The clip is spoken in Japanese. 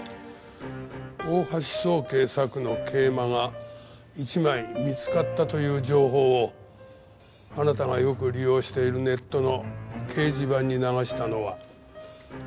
大橋宗桂作の桂馬が１枚見つかったという情報をあなたがよく利用しているネットの掲示板に流したのは私です。